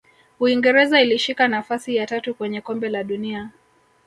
uingereza ilishika nafasi ya tatu kwenye kombe la dunia